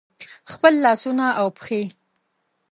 خپل لاسونه او پښې